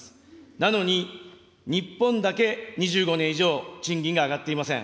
なのに、日本だけ２５年以上、賃金が上がっていません。